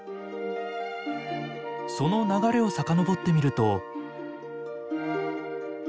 その流れを遡ってみると。